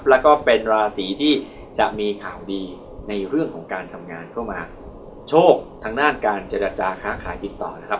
แล้วก็เป็นราศีที่จะมีข่าวดีในเรื่องของการทำงานเข้ามาโชคทางด้านการเจรจาค้าขายติดต่อนะครับ